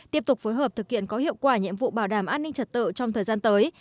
tiếp tục phối hợp thực hiện có hiệu quả nhiệm vụ bảo đảm an ninh trật tự trong thời gian tới